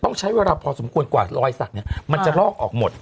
ต้องใช้เวลาพอสมควรกว่ารอยสักเนี่ยมันจะลอกออกหมด